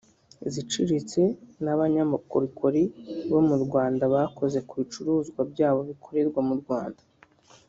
izicirirtse n’abanyamubukorikori bo mu Rwanda bakoze ku bicuruzwa byabo bikorerwa mu Rwanda